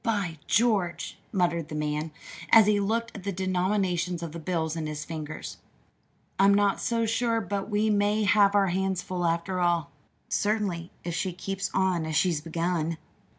"By George!" muttered the man, as he looked at the denominations of the bills in his fingers. "I'm not so sure but we may have our hands full, after all certainly, if she keeps on as she's begun!"